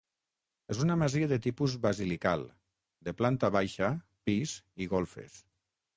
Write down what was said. És una masia de tipus basilical, de planta baixa, pis i golfes.